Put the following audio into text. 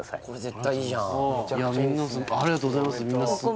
これ絶対いいじゃんありがとうございます